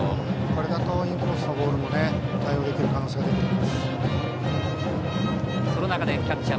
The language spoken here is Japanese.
これだとインコースにも対応できる可能性が出てきます。